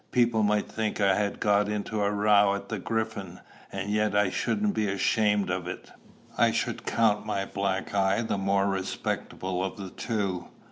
People might think I had got into a row at the Griffin. And yet I shouldn't be ashamed of it. I should count my black eye the more respectable of the two.